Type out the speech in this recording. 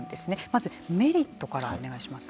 まずメリットからお願いします。